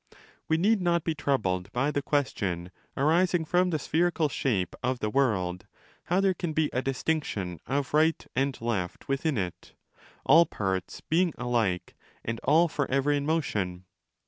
We need not be troubled by the question, arising from the spherical shape of the world, how there can be a distinction of right and left within it, all parts being alike and all for ever in motion.